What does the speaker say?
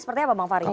seperti apa bang fary